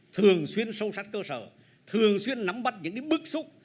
thường xuyên sâu sắc cơ sở thường xuyên nắm bắt những cái bức xúc